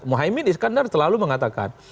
mohaimin iskandar selalu mengatakan